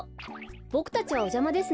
ボクたちはおじゃまですね。